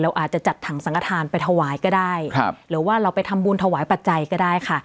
อาจจะจัดถังสังกฐานไปถวายก็ได้ครับหรือว่าเราไปทำบุญถวายปัจจัยก็ได้ค่ะ